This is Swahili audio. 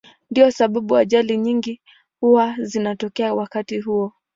Ndiyo sababu ajali nyingi huwa zinatokea wakati huo.